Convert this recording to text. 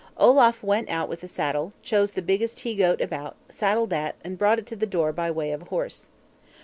Olaf went out with the saddle, chose the biggest he goat about, saddled that, and brought it to the door by way of horse.